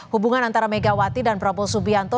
hubungan antara megawati dan prabowo subianto